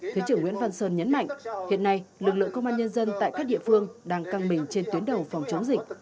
thứ trưởng nguyễn văn sơn nhấn mạnh hiện nay lực lượng công an nhân dân tại các địa phương đang căng mình trên tuyến đầu phòng chống dịch